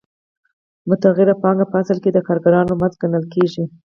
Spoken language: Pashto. متغیره پانګه په اصل کې د کارګرانو مزد ګڼل کېږي